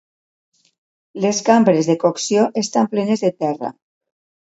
Les cambres de cocció estan plenes de terra.